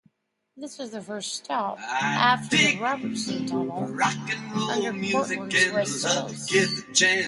This is the first stop after the Robertson Tunnel under Portland's West Hills.